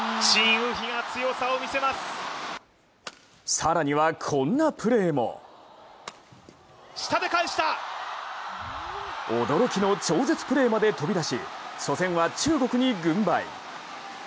更にはこんなプレーも驚きの超絶プレーまで飛び出し初戦は中国に軍配。